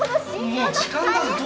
もう時間だぞ。